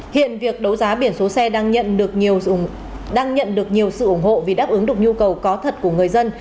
hiện việc đấu giá biển số xe đang nhận được nhiều sự ủng hộ vì đáp ứng được nhu cầu có thật của người dân